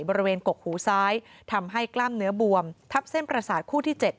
กกหูซ้ายทำให้กล้ามเนื้อบวมทับเส้นประสาทคู่ที่๗